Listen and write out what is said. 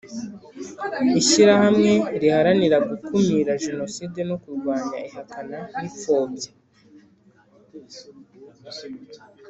Ishyirahamwe riharanira gukumira jenoside no kurwanya ihakana n’ipfobya